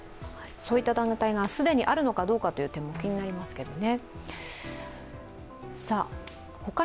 そういった団体が既にあるのかどうか、気になりますけどね。